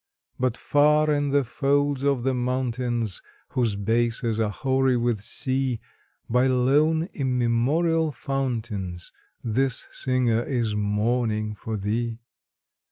But far in the folds of the mountains Whose bases are hoary with sea, By lone immemorial fountains This singer is mourning for thee.